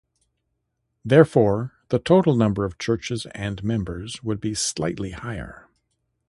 Therefore, the total number of churches and members would be slightly higher.